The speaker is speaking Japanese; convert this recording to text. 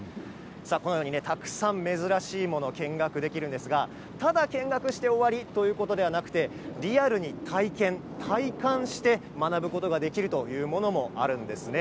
このようにたくさん珍しいものを見学できるんですがただ、見学して終わりというわけではなくてリアルに体験、体感して学ぶことができるというものもあるんです。